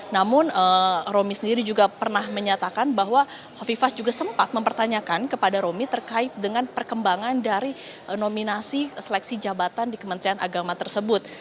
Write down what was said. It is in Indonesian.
namun romi sendiri juga pernah menyatakan bahwa hovifah juga sempat mempertanyakan kepada romi terkait dengan perkembangan dari nominasi seleksi jabatan di kementerian agama tersebut